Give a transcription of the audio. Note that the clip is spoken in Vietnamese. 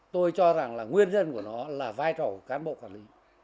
tôi cho rằng nguyên nhân của nó là vai trò của cán bộ quản lý